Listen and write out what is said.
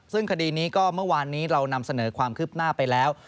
ซึ่งคดีนี้ก็เมื่อวานนี้เรานำเสนอความคืบหน้าไปแล้ว